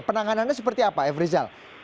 penanganannya seperti apa efri zal